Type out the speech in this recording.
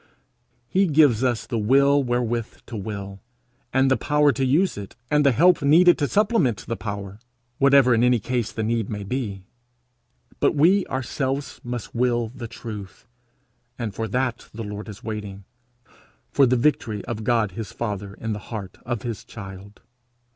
He gives us the will wherewith to will, and the power to use it, and the help needed to supplement the power, whatever in any case the need may be; but we ourselves must will the truth, and for that the Lord is waiting, for the victory of God his father in the heart of his child.